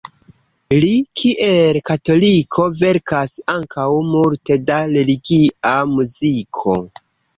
Li kiel katoliko verkas ankaŭ multe da religia muziko.